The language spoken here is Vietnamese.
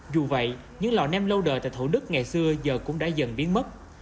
dù vậy những lò nem lâu đời tại thủ đức ngày xưa giờ cũng đã dần biến mất